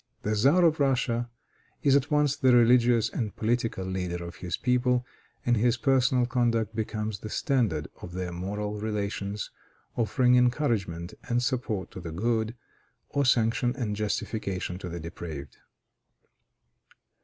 The Czar of Russia is at once the religious and political leader of his people, and his personal conduct becomes the standard of their moral relations, offering encouragement and support to the good, or sanction and justification to the depraved.